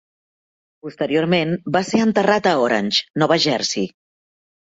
Posteriorment va ser enterrat a Orange, Nova Jersey.